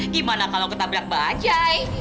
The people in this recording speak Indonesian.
gimana kalau ketabrak bajay